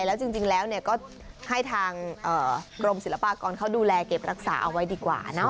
แล้วจริงแล้วก็ให้ทางกรมศิลปากรเขาดูแลเก็บรักษาเอาไว้ดีกว่า